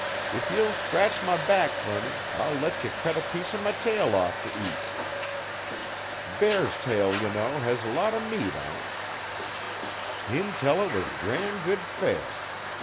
"If ye'll scratch my back fer me I'll let ye cut a piece o' my tail off t' eat." 'Bear's tail, ye know, hes a lot o' meat on it heam tell it was gran' good fare.